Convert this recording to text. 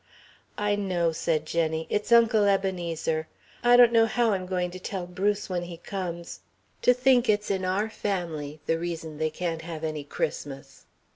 "I know," said Jenny, "it's Uncle Ebenezer. I don't know how I'm going to tell Bruce when he comes. To think it's in our family, the reason they can't have any Christmas...."